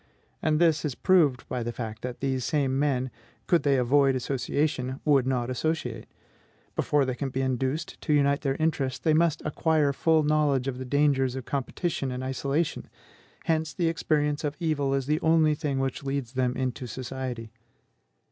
And this is proved by the fact that these same men, could they avoid association, would not associate. Before they can be induced to unite their interests, they must acquire full knowledge of the dangers of competition and isolation; hence the experience of evil is the only thing which leads them into society.